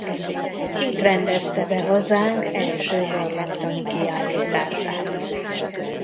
Itt rendezte be hazánk első barlangtani kiállítását.